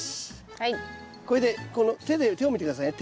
これで手で手を見て下さいね。